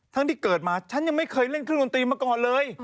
ที่เกิดมาฉันยังไม่เคยเล่นเครื่องดนตรีมาก่อนเลย